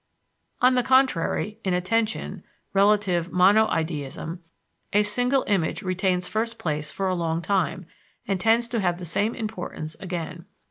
On the contrary, in attention (relative monoideism) a single image retains first place for a long time and tends to have the same importance again.